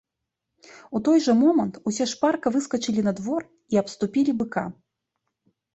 У той жа момант усе шпарка выскачылі на двор і абступілі быка.